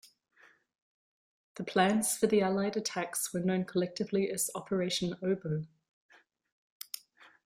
The plans for the Allied attacks were known collectively as Operation Oboe.